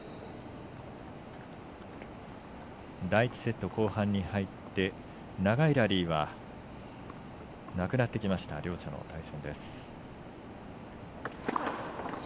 第１セット、後半に入って長いラリーはなくなってきた両者の対戦です。